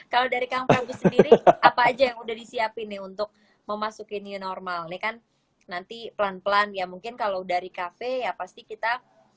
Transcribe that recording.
kalau dari kang prabu sendiri apa aja yang udah disiapin nih untuk memasuki new normal ini kan nanti pelan pelan ya mungkin kalau dari kafe ya pasti kita